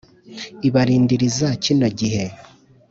ibarindiriza kino gihe